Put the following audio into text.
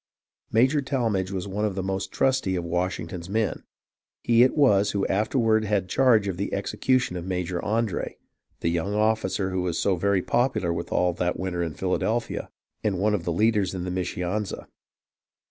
Major Tallmadge was one of the most trusty of Wash ington's men. He it was who afterward had charge of the execution of Major Andre, the young officer who was so very popular with all that winter in Philadelphia, and one of the leaders in the Mischianza.